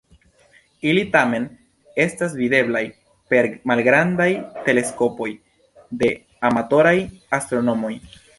Ili tamen estas videblaj per malgrandaj teleskopoj de amatoraj astronomoj.